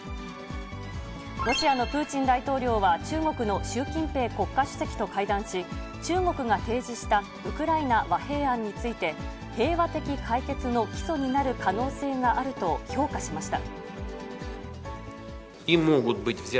ロシアのプーチン大統領は、中国の習近平国家主席と会談し、中国が提示したウクライナ和平案について、平和的解決の基礎になる可能性があると評価しました。